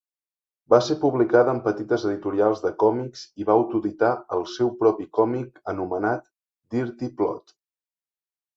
Va ser publicada en petites editorials de còmics i va autoeditar el seu propi còmic anomenat "Dirty Plotte".